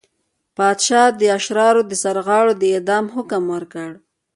پاچا د اشرارو د سرغاړو د اعدام حکم ورکړ.